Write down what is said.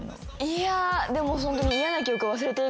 いやでもホントに。